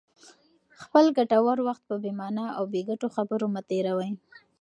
خپل ګټور وخت په بې مانا او بې ګټې خبرو مه تېروئ.